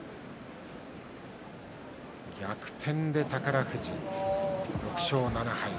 逆転で宝富士、６勝７敗。